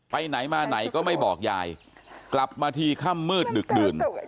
ไปไหนมาไหนก็ไม่บอกยายกลับมาทีค่ำมืดดึกดื่น